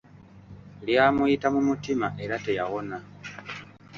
Lyamuyita mu mutima era teyawona.